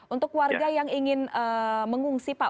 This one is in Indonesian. untuk warga yang ingin mengungsi pak